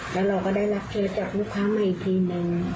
แล้วเราก็ได้รับเคสจากลูกค้ามาอีกทีนึง